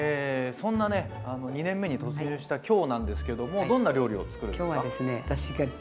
そんなね２年目に突入した今日なんですけどもどんな料理を作るんですか？